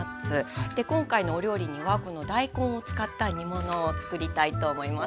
今回のお料理にはこの大根を使った煮物をつくりたいと思います。